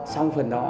xong phần đó